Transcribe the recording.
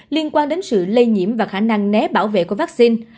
liên quan đến sự lây nhiễm và khả năng né bảo vệ của vaccine